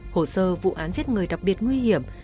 hồ sơ vụ án giết người đặc biệt nguy hiểm